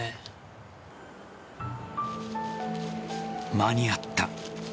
間に合った。